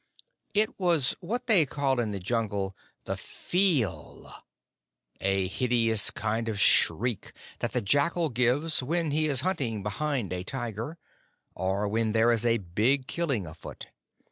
It was what they call in the Jungle the pheeal, a hideous kind of shriek that the jackal gives when he is hunting behind a tiger, or when there is a big killing afoot.